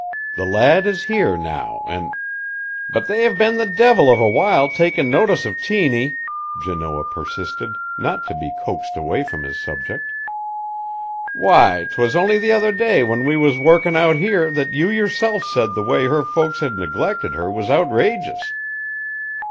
The lad is here now an' " "But they have been the devil of a while takin' notice of Tiny," Janoah persisted, not to be coaxed away from his subject. "Why, 'twas only the other day when we was workin' out here that you yourself said the way her folks had neglected her was outrageous."